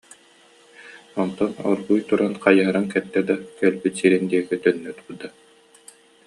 Онтон оргууй туран хайыһарын кэттэ да кэлбит сирин диэки төннө турда